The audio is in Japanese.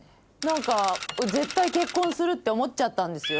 何か絶対結婚するって思っちゃったんですよ